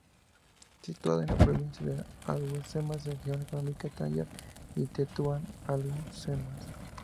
Situada en la provincia de Alhucemas, región económica Tánger-Tetuán-Alhucemas.